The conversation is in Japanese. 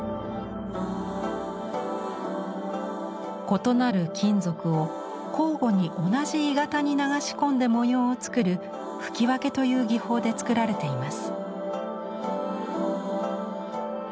異なる金属を交互に同じ鋳型に流し込んで模様を作る「吹分」という技法で作られています。